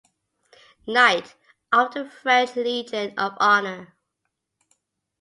Knight of the French Legion of Honour.